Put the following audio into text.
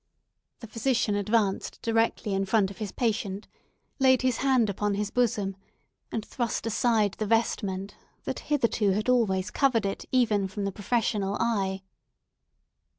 The physician advanced directly in front of his patient, laid his hand upon his bosom, and thrust aside the vestment, that hitherto had always covered it even from the professional eye.